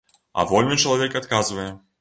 А вольны чалавек адказвае.